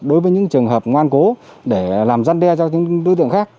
đối với những trường hợp ngoan cố để làm gian đe cho những đối tượng khác